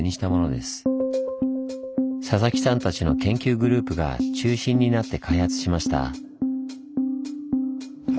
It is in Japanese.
佐々木さんたちの研究グループが中心になって開発しました。